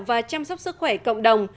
và chăm sóc sức khỏe cộng đồng